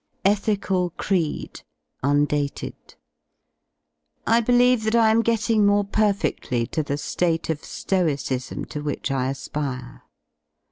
ETHICAL CREED Vndated. I believe that I am getting more perfeftly to the ^te of Stoicism to which I aspire.